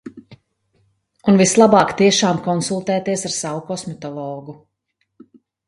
Un vislabāk tiešām konsultēties ar savu kosmetologu.